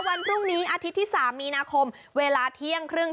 วันพรุ่งนี้อาทิตย์ที่๓มีนาคมเวลาเที่ยงครึ่ง